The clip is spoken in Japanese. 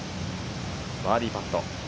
バーディーパット。